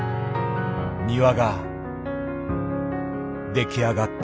庭が出来上がった。